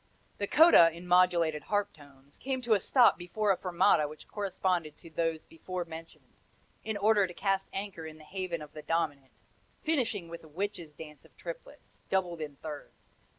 The coda, in modulated harp tones, came to a stop before a fermata which corresponded to those before mentioned, in order to cast anchor in the haven of the dominant, finishing with a witches' dance of triplets, doubled in thirds.